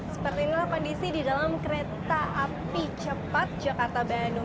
seperti inilah kondisi di dalam kereta api cepat jakarta bandung